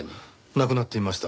亡くなっていました。